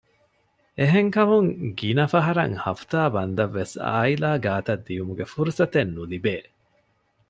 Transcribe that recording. އެހެން ކަމުން ގިނަ ފަހަރަށް ހަފުތާ ބަންދަށް ވެސް އާއިލާ ގާތަށް ދިއުމުގެ ފުރުސަތެއް ނުލިބޭ